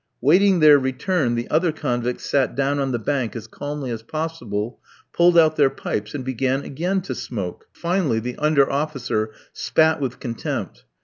Waiting their return, the other convicts sat down on the bank as calmly as possible, pulled out their pipes and began again to smoke. Finally, the under officer spat with contempt.